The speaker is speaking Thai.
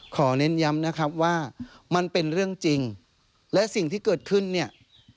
เน้นย้ำนะครับว่ามันเป็นเรื่องจริงและสิ่งที่เกิดขึ้นเนี่ย